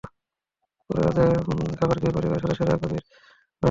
পরে রাতের খাবার খেয়ে পরিবারের সদস্যরা গভীর ঘুমে আচ্ছন্ন হয়ে পড়েন।